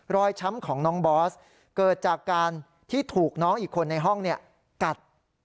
ช้ำของน้องบอสเกิดจากการที่ถูกน้องอีกคนในห้องกัด